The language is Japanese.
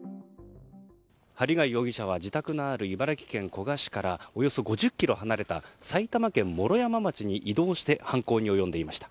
針谷容疑者は自宅のある茨城県古河市からおよそ５０ｋｍ離れた埼玉県毛呂山町に移動して犯行に及んでいました。